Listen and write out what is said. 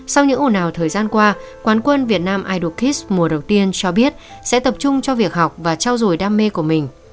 sau những ổn ào thời gian qua quán quân việt nam idol kids mùa đầu tiên cho biết sẽ tập trung cho việc học và trao dồi đam mê của mình